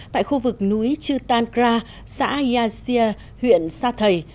tại khu vực núi chutankra xã yasia huyện sa thầy